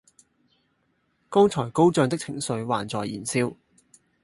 剛才高漲的情緒還在燃燒